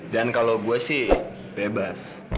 dan kalau gue sih bebas